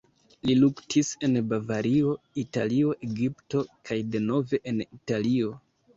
Li luktis en Bavario, Italio, Egipto kaj denove en Italio.